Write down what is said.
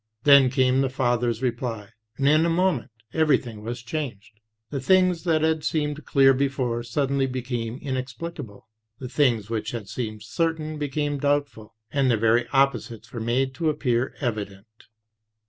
Then came the father's reply, and in a moment everything was changed. The things that had seemed clear before, suddenly became inexplicable; the things that had seemed certain became doubtful, and their very opposites were made to appear evident.